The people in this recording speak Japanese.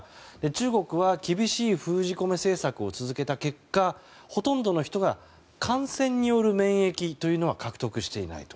中国は厳しい封じ込め政策を続けた結果、ほとんどの人が感染による免疫というのは獲得していない。